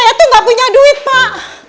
saya tuh nggak punya duit pak